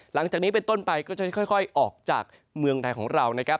หลังจากนี้เป็นต้นไปก็จะค่อยออกจากเมืองไทยของเรานะครับ